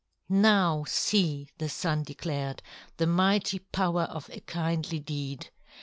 "Now see," the Sun declared, "the mighty power of a kindly deed.